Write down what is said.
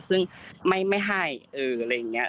ซึ่งไม่ให้อะไรอย่างนี้